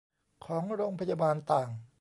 ของโรงพยาบาลต่าง